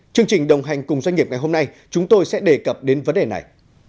chương trình đồng hành cùng doanh nghiệp ngày hôm nay chúng tôi sẽ đề cập đến vấn đề này